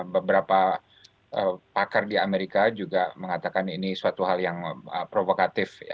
beberapa pakar di amerika juga mengatakan ini suatu hal yang provokatif